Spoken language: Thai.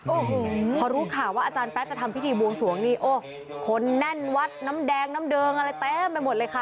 โอ้โหพอรู้ข่าวว่าอาจารย์แป๊จะทำพิธีบวงสวงนี่โอ้คนแน่นวัดน้ำแดงน้ำเดิงอะไรเต็มไปหมดเลยค่ะ